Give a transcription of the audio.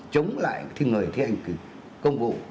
chống lại người thành công vụ